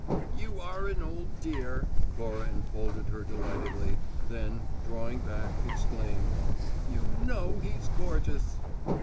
'" "You are an old dear!" Cora enfolded her delightedly; then, drawing back, exclaimed: "You know he's gorgeous!"